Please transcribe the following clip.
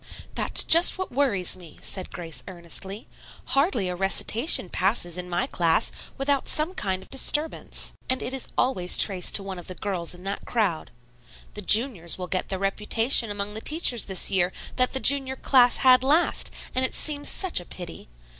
"That's just what worries me," said Grace earnestly. "Hardly a recitation passes in my class without some kind of disturbance, and it is always traced to one of the girls in that crowd. The juniors will get the reputation among the teachers this year that the junior class had last, and it seems such a pity.